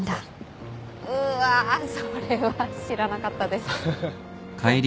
うわそれは知らなかったです。